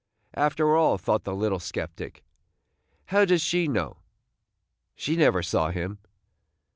"After all," thought the little sceptic, "how does she know? She never saw him."